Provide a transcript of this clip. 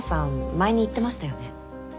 前に言ってましたよね？